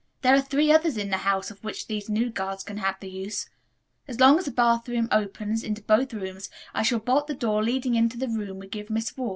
There are three others in the house of which these new girls can have the use. As long as the bathroom opens into both rooms, I shall bolt the door leading into the room we give Miss Ward.